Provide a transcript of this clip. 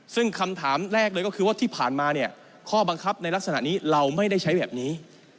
ซึ่งคำถามแรกเลยก็คือว่าที่ผ่านมาเนี่ยข้อบังคับในลักษณะนี้เราไม่ได้ใช้แบบนี้